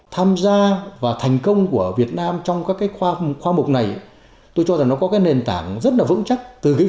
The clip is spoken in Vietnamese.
tham gia và thành công của việt nam trong các khoa mục này tôi cho rằng nó có nền tảng rất vững chắc